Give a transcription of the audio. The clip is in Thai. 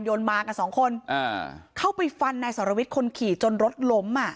โยนมากัน๒คนเข้าไปฟันนายสรวิทย์คนขี่จนรถล้ม